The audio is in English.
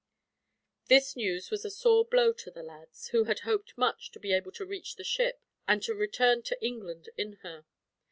This news was a sore blow to the lads, who had hoped much to be able to reach the ship, and to return to England in her.